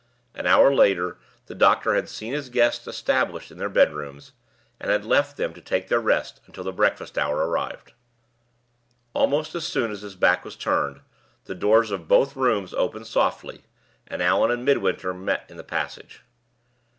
An hour later the doctor had seen his guests established in their bedrooms, and had left them to take their rest until the breakfast hour arrived. Almost as soon as his back was turned, the doors of both rooms opened softly, and Allan and Midwinter met in the passage.